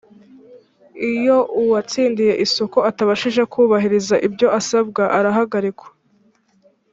iyo uwatsindiye isoko atabashije kubahiriza ibyo asabwa arahagarikwa